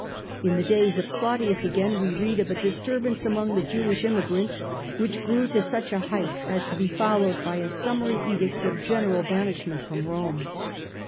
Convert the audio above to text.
In the days of Claudius again we read of a disturbance among the Jewish immigrants, which grew to such a height as to be followed by a summary edict of general banishment from Rome.